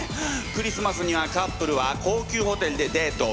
クリスマスにはカップルは高級ホテルでデート。